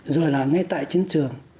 rồi là ngay tại chiến trường